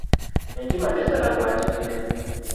Enkima tesala gwa kibira.